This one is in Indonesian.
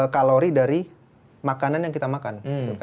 kalori dari makanan yang kita makan